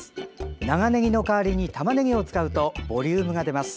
長ねぎの代わりにたまねぎを使うとボリュームが出ます。